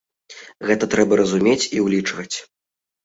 Гэта трэба разумець і ўлічваць.